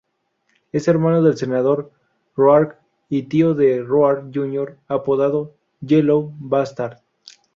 Es hermano del senador Roark y tío de Roark Junior, apodado Yellow Bastard.